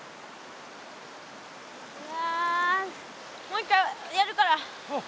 もう一回やるから。